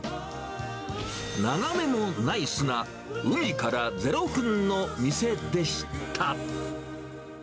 眺めもナイスな海から０分の店でした。